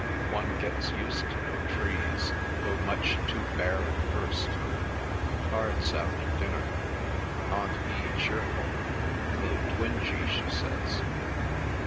One gets used to no trees, though much too bare at first. Cards after dinner. Aunt E. cheerful, though twingy, she says.